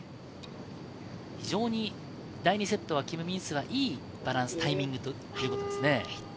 非常に第２セットはキム・ミンスは、いいバランス、タイミングでしたね。